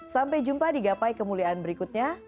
sampai jumpa di gapai kemuliaan berikutnya